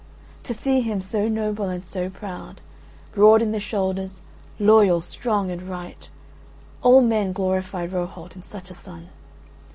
To see him so noble and so proud, broad in the shoulders, loyal, strong and right, all men glorified Rohalt in such a son.